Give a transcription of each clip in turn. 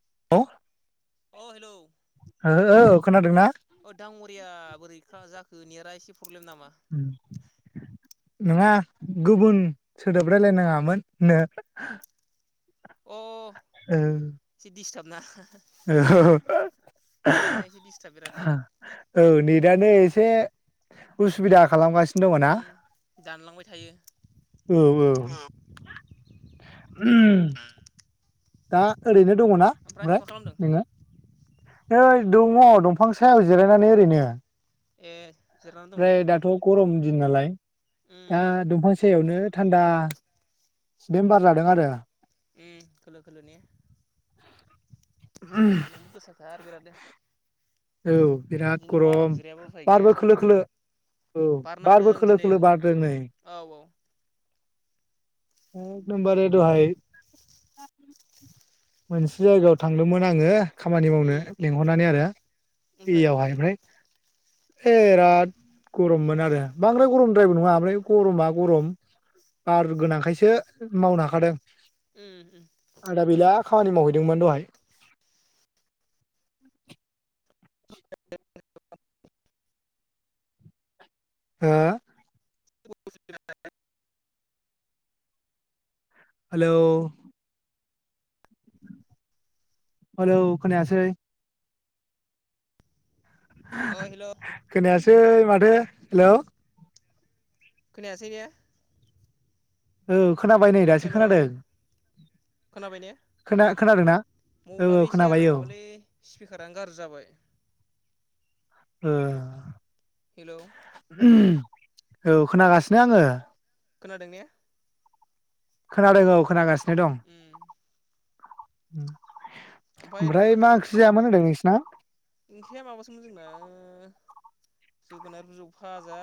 [unintelligible] अ hello औ खोनादोंना अ दांवरिया बोरैखा जा खो नेरा एसे प्रब्लेम नामा? नङा गुबुन सोदोब रायलायनाङामोन नो अ ओ [unintelligible] [unintelligible] नेटआ एसे दिस्टार्ब बिरादनो औ नेट टानो एसे उसुबिदा खालामगासि दङ ना उम दानलांबाय थायो औ औ दा ओरैनो दङना ओमफ्राय मा खालामदों नोङो? नोइ दङ दंफां सायाव जिरायनानै ओरैनो ए जिरायनानै दं ने ओफ्राय दाथ' गरम दिन नालाय उम दा उम दंफां साहायावनो थान्दा बार जादों आरो उम खोलो खोलो ने सान्दुंबो गोसा थार बिरादनो। औ बिराद बिदिनो बाराव गरम जिरायाबो उफाय गैया बारबो खोलो खोलो औ बार नांदों बारबो खोलो दिनै औ खोलो बारदों नै। औ औ एकदमबारे दहाय मोनसे जायगायाव थांदोंमोन आङो खामानि मावनो उम लेंंहरनानै आरो ओमफ्राय बेयावहाय ओमफ्राय बेराद गरममोन आरो बांद्राय गरमद्रायबो नङा ओमफ्राय गरमा गरम बार गोनांखायस सो मावनो हाखादों। उम उम आदा बेला खामानि मावहैदोंमोन दहाय। [inaudible] हा? [inaudible] हालौ हेलौ खोनायासै अ हेल' सै माथो हेल' खोनयासैने? औ। खोनाबाय नै दासो हेलौ खोनादों खोना। खोनादोंना। औ मबेलाबो औ एसे खोनाबाय आंना औ माबालै स्पिकारानो गाज्रि जाबाय। ओ। हेलौ उम। औ खोनागासिनो आङो। खोनादों ने। खोनादों औ खोनागासिनो। नो दं। उम उम। ओरैनो ओमफ्राय माथो मा ओंख्रि जायामोन होनदों नोंसि। ना। ओंख्रिया माबासोमोन जोंना ओ जोगोनार बिजौ फाजा।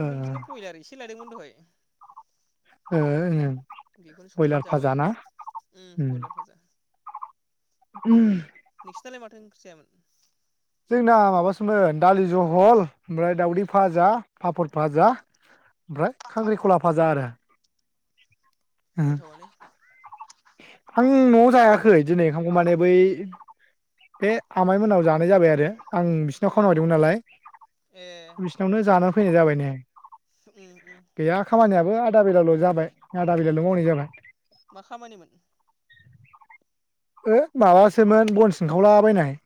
ओ ओमफ्राय बिदिनो ब्रयलार एसे लायदोंमोन दहाय। ओ ओं बेखौनो बयलार संनानै जाबाय फाजा ना उम ब्रयलार फाजा। उम। सालाय माथो ओंख्रि जायामोन। जोंना माबासोमोन दालि जहल ओमफ्राय दाउदै फाजा पापर फाजा ओमफ्राय खांख्रिखला फाजा आरो। गोथावआनो। आं नवाव जायाखै दिनै ओंखामखौ माने बै बे आमाइ मोननाव जानाय जाबाय आरो। आं बिसोरनाव खामानि उम उम मावहैदोंमोन नालाय ए बिसिनावनो जाना फै। फैनाय जाबाय ने। उम उम गैया खामानियाबो आ। आधा बेलाल जाबाय आधा बेलाल मावनाय जाबाय। मा खामानिमोन। ओ माबासोमोन बन सिनखावलाबायनाय।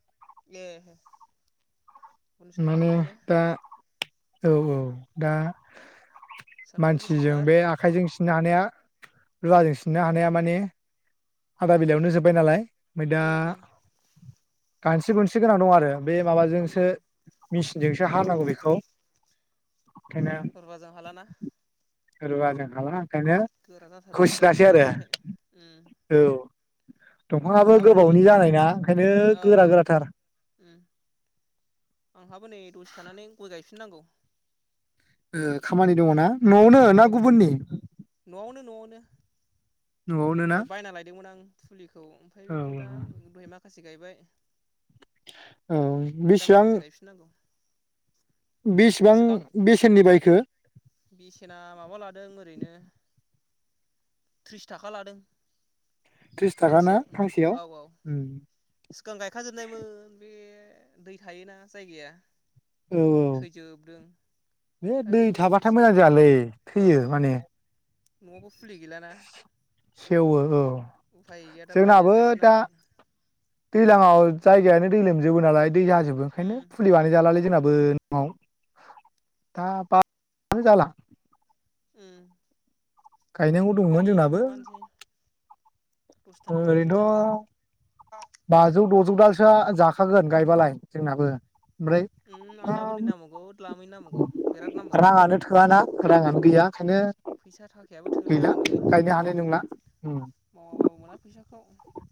ए। उन माने सोंखावनायमोन ने दा। औ औ दा सान्दुंबो मानसिजों गोसाथार बे आखाइजों सि। सिननो हानाया रुवाजों सिननो हानाया माने। आधा बेलायावनो जोबबाय नालाय। ओमफ्राय दा। उम उम गानसि गुनसि गोनां दं आरो। बे उम माबाजोंसो मेचिनजोंसो हानांगौ बेखौ रुवाजों हालाना? रुवाजों हाला। ओंखायनो गोरा जाथारो होसिनासै बिरादनो आरो रानबाथाय उम्म। औ दंफांआबो गोबावनि जानायना ओंखायनो औ गोरा औ गोराथार। उम आंहाबो नै दसे थानानै गय गायफिननांगौ। ओ खामानि दङ ना? न'आवनो औ ना खामानि गुबुननि? न'आवनो न'आवनो। न'आवनो ना दहाय बायना लायदोंमोन आं फुलिखौ ओमफ्राय औ बेखौ दा दहाय माखासे गायबाय। औ औ दा बेसेबां? माखासे गायफिननांगौ बिसेबां सिगां बेसेननि बायख खो बेसेना माबा लादों ओरैनो थ्रिस थाखा लादों। थ्रिस थाखा ना फांसेयाव औ औ सिगां गायखाजोबनायमोन बे दै थायोना जायगाया औ औ थैजोबदों बे दा दै बेखौनो थाबाथाय एसे मोजां जायालै औ थैयो माने। न'आवबो फुलि गैलाना। [inaudible] सेवो औ। उफाय गैया दा बायनानै गायफिननांबाय। लाङाव जायगायानो दै लोमजोबो नालाय। दै जाजोबो उम ओंखायनो फुलि बानाय जालालै जोंनाब बो न'आव दा बा नो जाला। उम गायनांगौ दंमोन दायो जोंनाबो। माबानोसै दसे थानानै गायफिनसां ओरैनोथ बाजौ दजौ दालसोआ जाखागोन गायबालाय जोंनाबो। उम आंनाबो नै नांबागौ ल्दामै नो नांबावगौ बिराद नांबावगौ। रांङानो गैया। ओंखायनो फैसा थाखायाबो थोलाया गैला हनै गायनो हानाय नंला उम मावाबाबो मोना फैसाख औ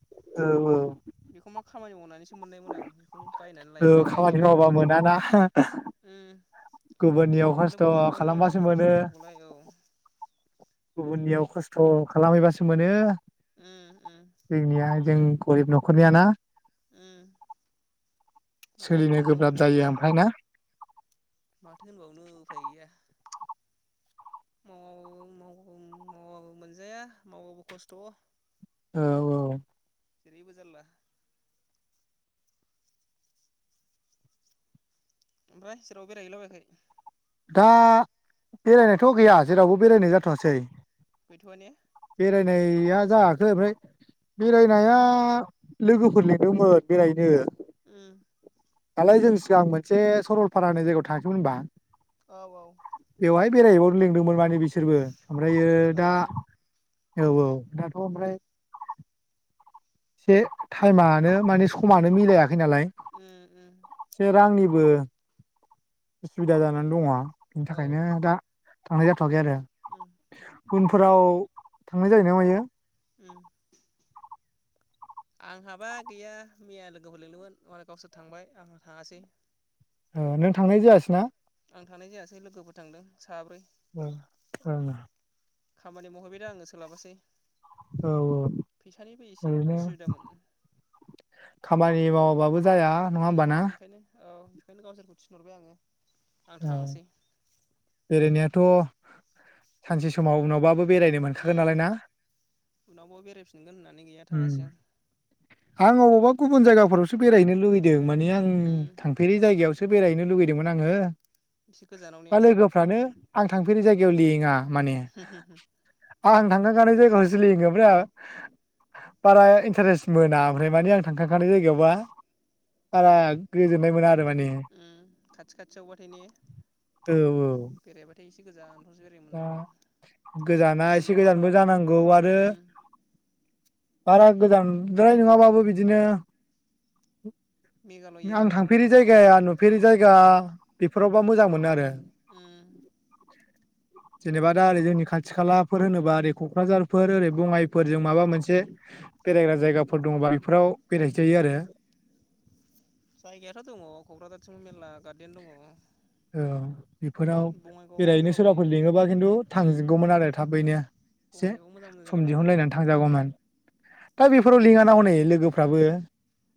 औ औ। बेखौमबा खामानि मावनानैसो मोननायमोन आं बेखौ बायनानै औ लायबाय खामानि गायफैबाय मावबा मोनाना उम गुबुननियाव मावाबालाय खस्थ' बहा मोनबावनो खालामबासो मोनो फैसा-थाखाखौलाय औ गुबुननियाव खस्थ' खालामहैबासो मोनो उम उम जोंनिया जों गरिब न'खरनिया ना? उम माथो सोलिनो होनबावनो गोब्राब उफाय जायो गैया ओमफ्राय ना? माथो होनबावनो उफाय गैया मावाबाबो माव-मावाबो मोनजाया मावाबो खस्थ' औ औ जेरैबो जारला ओमफ्राय जेरावबो बेराय हैलाबायाखै? दा बेरायनायथ' गैया जेरावबो बेरायनाय जाथ'सै। गैथ'वा ने बेरायनाया जायाखै ओमफ्राय बेरायनाया लोगोफोर लेंदोंमोन बेराययैनो उम दालाय जों सिगां मोनसे सरलफारा होननाय जायगायाव थाङाखैमोन होनबा? औ औ बेहाय बेरायहबावनो लेंदोंमोन माने बि सोरबो ओमफ्रायो दा सरलपारायाव ने औ औ दाथ' उम ओमफ्राय एसे टाइमानो माने समानो मिलाया खै नालाय उम उम एसे रांनिबो उसुबिदा जानानै दङ। बिनि औ थाखायनो दा थांनाय जाथ' आगै आरो उम उन फोराव थांनाय जायो ना मायो उम आंहाबा गैया, मैया लोगोफोर लेंदोंमोन मालाय गावसोर थांबाय आं थाङासै। ओ नों थांनाय जायासै ना? आं थांनाय जायासै लोगोफोर थांदों साब्रै ओं खामानि मावहैबाय दा आङो सोलाबासै औ औ फैसानिबो एसे ओरैनो उसुबिदामोन खामानि माव बाबो उम ओंखायनो औ ओंखायनो गावसोरखौ थिनहरबाय आङो। आं औ थाङासै बेरायनायाथ' सानसे समाव उनावबाबो बेरायनो मोनखागोन उम नालाइ ना? उनावबो बेरायफिनगोन होननानै गैया थाङासै आं बबा गुबुन जायगाफोरावसो बेरायहैनो लुबैदो। दों माने आं उम थांफेरै जायगायाव सो बेरायहैनो लुुबैदोंमोन आङो। एसे गोजानाव ने दा लोगोफ्रानो आं थांफेरै जायगायाव लेङा। माने आं थांखांखानाय जायगायावसो लिंङो ओमफ्राय आं बारा इन्टारेस्ट मोना ओमफ्राय मानि आं थांखाखानाय जायगायावबा बारा गोजोननाय मोना आरो माने उम खाथि खाथि आवबा ओइ ने औ औ बेरायबाथाय एसे गोजानावसो बेरायनो दा मोननांगौ गोजाना एसे गोजानबो शिलंफ्राव जानांगौ आरो ओम बारा गोजानद्राय नङाबाबो बिदिनो मेघालय आं एरियाफ्राव थांफेरि जायगाया उम नुफेरि जायगा बेफोरावबा मोजां मोनो आरो। उम। जेनेबा दा ओरै जोंनि खाथि खालाफोर होनोबा ओरै क'क्राझारफोर ओरै बङाइफोरजों माबा मोनसे बेरायग्रा जायगाफोर दङबा बेफोराव बेराय जायो आरो। जायगायाथ' दङ क'क्राझारथिंबो मेरला गार्देन दङ। औ। बेफोराव बङाइगावआवबो बेरायैनो दंलाबायो सोरबाफोर लिङोबा खिन्थु उम थांजोबगौमोन आरो थाबैनो एसे बङाइगावआव मोजां मोजां जायगा सम दं दिहुनलायनानै थांजागौमोन। दा बेफोराव लिंङा ना हनै लोगोफ्राबो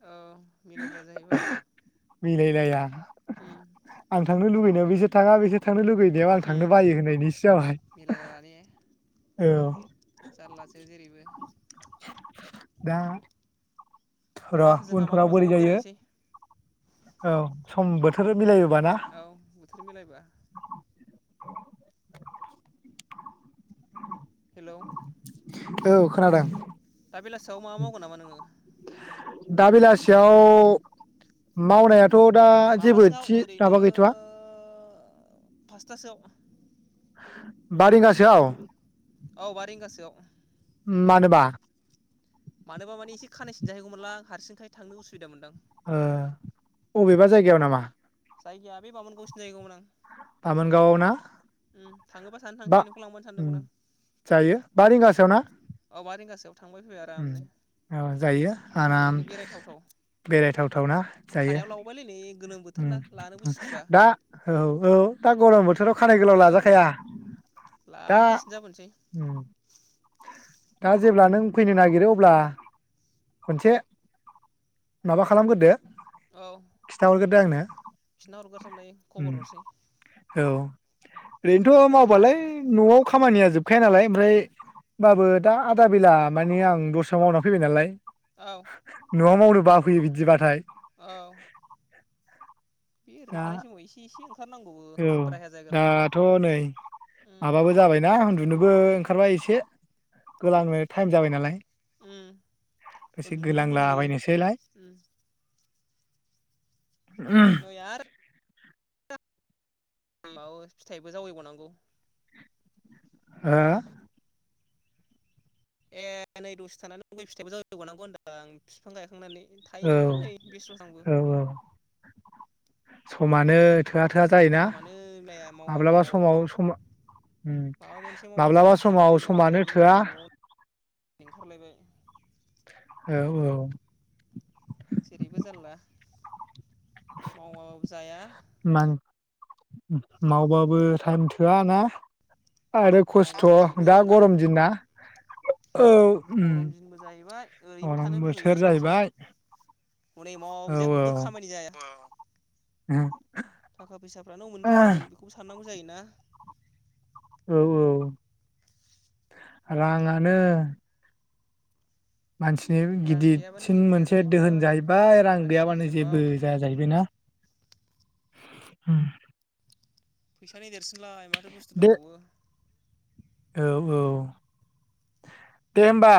औ मिलायलाया जाहैबाय मिलाय जाया। उम लुबैनायाव बेसोर थाङा बेसो थांनो लुुबैनायाव आं थांनो होम बायो होननायनिसो जाबाय मिलायला ने औ। जारलासो जेरैबो दा र' जोंहा मालाबा उनफोराव बोरै ज' जायो। बेरायनोसै अ सम बोथोर मिलायो औ बोथोर मिलायबा। हेलौ औ खोनादों दा बेलासियाव माबा मावगोन नामा नोङो? दा बेलासियाव मावनाया थ' दा जेबो माबासोआव थि ओरैनो माबा गैथ'आ। पासथासोआव बा रिंगासोआव। औ बा रिंगासो आव। मानोबा? मानोबा माने एसे खानाय सिनजाहैगौमोनलां हारसिंखाय थांनो उसुबिदा मोनदां ओ अबेबा जायगायाव नामा जायगाया बै माबोनगाव आव सिनजाहैगौमोन आं बामोनगावआव ना उम थाङोबा सानै बा थांसै नोंखौ लांबानो उ सानदोंमोन आं जायो बा रिंगासोयाव ना औ बा रिंगासोआव थांबाय फैबाय उम आरामनो औ जायो आराम ओरैनो बेरायथावथाव बेरायथावथावना जायो खानायाव लावबायलै नै गोलोम बोथोरना लानोबो सुखुवा दा औ औ दा गरम बोथोराव खानाय गोलाव औ लाजाखाया दा लानथासिन जाबोनोसै उम दा जेब्ला नों फैनो नागिरो अब्ला खनसे माबा खालामगोरदो। खिथा आंनो खिन्थाहरगोनसो आं दायो उम खबर हरसै। औ ओरैनोथ सानैजों थांसै ना मावबालाय नआव खामानिया जोब गखाया नालाय ओमफ्राय होमबाबो दा आदा बेला मानि आं दस्रायाव मावना फैबाय नालाय औ नआव मावनो बफैयो बिदिबाथाय औ बे ओरैनो दा थानाय समाव इसे इसे ओं औ दाथ नै उम माबाबो जाबायना आं उन्दुनोबो ओंखारबाया एसे गोलांनो टाइम जाबाय नालाय। उम एसे उन्दुनोबो लुगैयो गोलांलाबायनोसैलाय उम उम नै माबाबो फिथाइबो जावैबावनांगौ हो ए नै दसे थानानै गइ फिथाइबो जावै बावनांगौ होनदों आं बिफां गायखांनानै। औ टाइमानो नै बेस्र आंबो औ समानो थोआ थोआ जायोना समानो मिलाया मावबाबो माब्लाबा समाव मावबाबो सम उम माबा मोनसे मावबा माब्लाबा दिनै समाव खामानियाव समानो थाङिनि थोआ नै नआव ओंखारलायबाय औ औ जेरैबो जारला मावाबाबो जाया मान मावबाबो टाइम थोआ ना आरो खस्थ मावबाबो जोबनो दा रोङा गरम दिना गरम दिनबो जाहैबाय ओरैनोबो गरम थानो बोथोर लुगैयो सम जाहैबाय सम हनै औ मावाबाबो जेबो औ खामानि जाया औ। थाखा फैसाफ्रानो अबेनिफ्राय फैगोन बेखौबो साननांगौ जायोना? औ औ। राङानो मानसिनि रां गैयाबानो गिदिरसिन जेबो जाया मोनसे दोहोन जाहैबाय रां मानसिनि गैयाबानो जिउआव जेबो जाया जाहैबायना? [inaudible] फैसानि देरसिनलाय माथ थो बुस्थु दे दंबावो। औ औ दे होमबा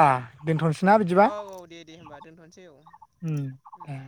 दोनथनोस औ औ दे दे होनबा दोनथनि सेउ उम आ।